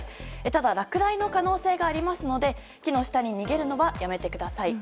ただ落雷の可能性がありますので木の下に逃げるのはやめてください。